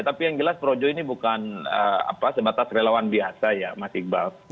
tapi yang jelas projo ini bukan sebatas relawan biasa ya mas iqbal